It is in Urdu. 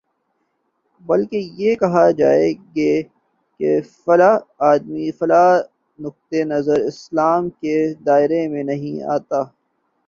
بلکہ یہ کہا جائے گا کہ فلاں آدمی کا فلاں نقطۂ نظر اسلام کے دائرے میں نہیں آتا